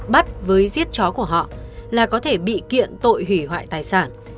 bắt với giết chó của họ là có thể bị kiện tội hủy hoại tài sản